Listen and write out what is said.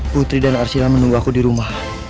putri dan arsila menunggu aku di rumah